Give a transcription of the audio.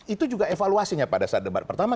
itu juga evaluasinya pada saat debat pertama